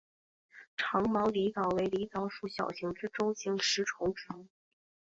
长毛狸藻为狸藻属小型至中型食虫植物。